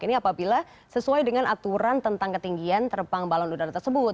ini apabila sesuai dengan aturan tentang ketinggian terbang balon udara tersebut